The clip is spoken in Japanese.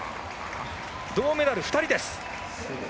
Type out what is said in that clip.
銅メダル２人です。